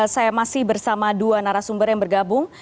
saya masih bersama dua narasumber yang bergabung